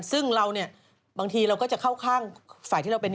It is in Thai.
ซึ่งสิ้นเราก็จะเข้าข้างฝ่ายที่เราเป็น